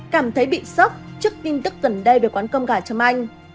cảm thấy bị sốc trước tin tức gần đây về quán cơm gà châm anh